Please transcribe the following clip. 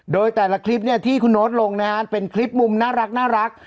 โดยแต่ละคลิปเนี่ยที่คุณโน๊ตลงนะฮะเป็นคลิปมุมน่ารัก